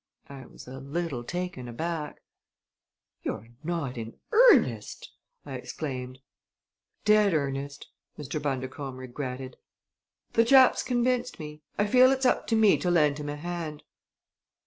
I was a little taken aback. "You're not in earnest!" I exclaimed. "Dead earnest!" Mr. Bundercombe regretted. "The chap's convinced me. I feel it's up to me to lend him a hand."